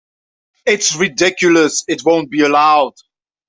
It's ridiculous; it won't be allowed.